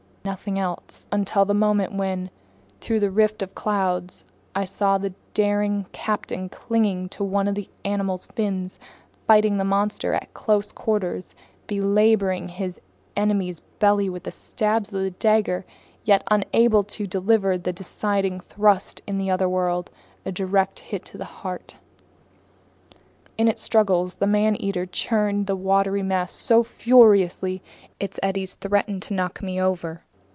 Nothing else until the moment when, through a rift in the clouds, I saw the daring captain clinging to one of the animal's fins, fighting the monster at close quarters, belaboring his enemy's belly with stabs of the dagger yet unable to deliver the deciding thrust, in other words, a direct hit to the heart. In its struggles the man eater churned the watery mass so furiously, its eddies threatened to knock me over.